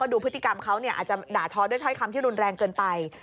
ดูพฤติกรรมเขาอาจจะด่าท้อด้วยถ้อยคำที่รุนแรงเกินไป